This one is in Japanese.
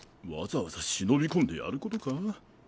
わざわざ忍び込んでやることか？